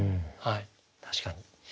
確かに。